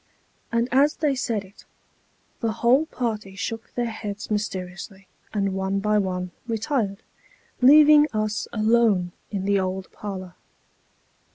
And as they said it, the whole party shook their heads mysteriously, and one by one retired, leaving us alone in the old parlour.